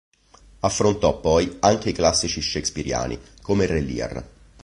Affrontò poi anche i classici shakespeariani come "Re Lear".